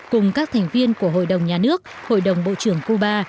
cùng các thành viên của hội đồng nhà nước hội đồng bộ trưởng cuba